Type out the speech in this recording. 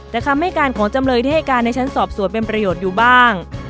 แต่คำให้การของจำเลยที่ให้การในชั้นสอบสวนเป็นประโยชน์อยู่บ้าง